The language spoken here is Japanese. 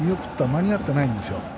間に合っていないんですよ。